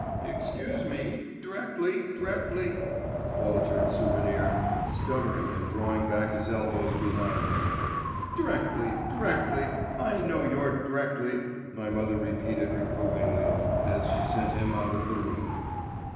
'Excuse me, d'rectly, d'rectly …' faltered Souvenir, stuttering and drawing back his elbows behind him. 'D'rectly, … d'rectly … I know your "d'rectly,"' my mother repeated reprovingly, and she sent him out of the room.